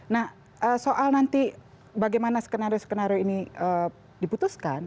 nah soal nanti bagaimana skenario skenario ini diputuskan